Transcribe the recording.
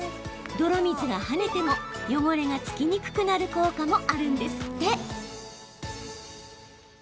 泥水がはねても汚れが付きにくくなる効果もあるんですって。